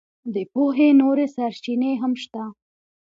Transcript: د پوهې نورې سرچینې هم شته.